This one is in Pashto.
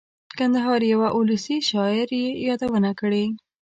کندهار یوه اولسي شاعر یې یادونه کړې.